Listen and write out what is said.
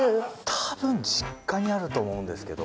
多分実家にあると思うんですけど。